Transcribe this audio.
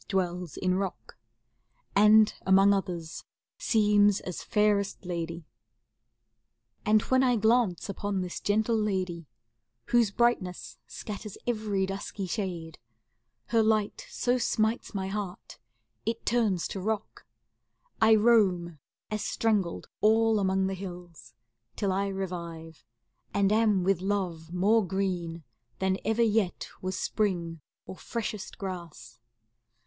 Never was any gem intaglio or painter's ideal of 108 CANZONIERE And when I glance upon this gentle lady, Whose brightness scatters every dusky shade, Her light so smites my heart it turns to rock ; I roam, as strangled, all among the hills, ^° Till I revive, and am with love more green Then ever yet was spring or freshest grass.